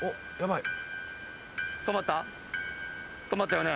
止まったよね？